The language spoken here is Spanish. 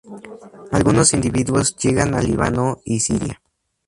Algunos individuos llegan a Líbano y Siria.